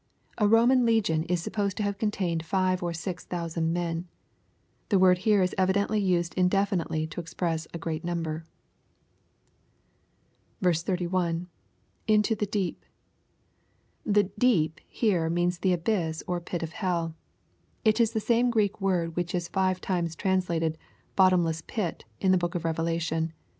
A Roman Legion is supposed to have contained 5 or 6000 men. The word here is evidently used indefinitely to express a great number. 31. — [Into ihe deep.] The " deep" here means the abyss or pit of hell It is the same Greek word which is five times translated " bottomless pit^" in the book of Revelation.